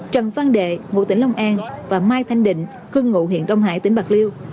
trần phan đệ ngụ tỉnh long an và mai thanh định cưng ngụ hiện đông hải tỉnh bạc liêu